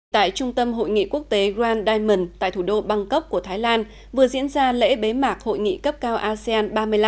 tại trung tâm hội nghị quốc tế grand diamond tại thủ đô bangkok của thái lan vừa diễn ra lễ bế mạc hội nghị cấp cao asean ba mươi năm